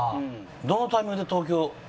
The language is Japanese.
どのタイミングで東京。